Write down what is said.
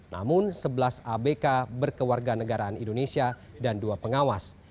namun sebelas abk berkewarga negaraan indonesia dan dua pengawas